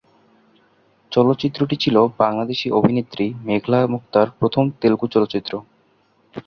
চলচ্চিত্রটি ছিল বাংলাদেশি অভিনেত্রী মেঘলা মুক্তার প্রথম তেলুগু চলচ্চিত্র।